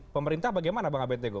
pemerintah bagaimana bang abed tego